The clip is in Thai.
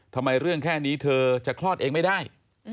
ทำไมเรื่องแค่นี้เธอจะคลอดเองไม่ได้